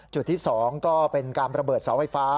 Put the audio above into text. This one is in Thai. จุดที่๒ก็เป็นการระเบิดเสาไฟฟ้า